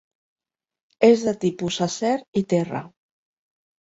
És de tipus acer i terra.